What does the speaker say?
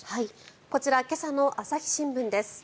こちら今朝の朝日新聞です。